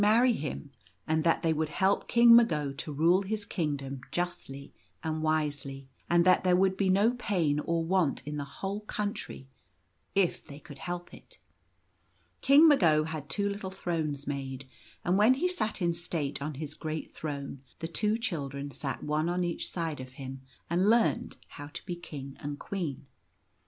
marry him, and that they would help King Mago to rule his kingdom justly and wisely, and that there would be no pain or want in the whole country, if they could help it. King Mago had two little thrones made, and when he sat in state on his great throne the two children sat one on each side of him, and learned how to be King and Queen.